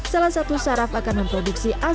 salah satu saraf akan memperoleh kematian